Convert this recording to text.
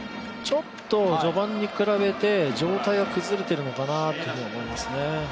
ちょっと序盤に比べて状態が崩れているのかなと思いますね。